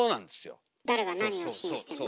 誰が何を信用してるの？